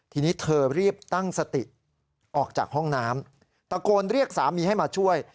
ทีนี้เธอรีบตั้งสติออกจากห้องน้ำตะโกนเรียกสามีให้มาช่วย